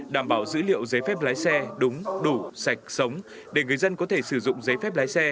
đảm bảo dữ liệu giấy phép lái xe đúng đủ sạch sống để người dân có thể sử dụng giấy phép lái xe